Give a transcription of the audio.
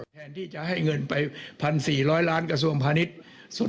แทนที่จะให้เงินไป๑๔๐๐ล้านกระทรวงพาณิชย์